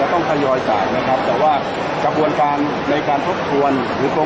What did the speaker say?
อาหรับเชี่ยวจามันไม่มีควรหยุด